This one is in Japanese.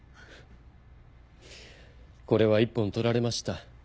これは一本取られました。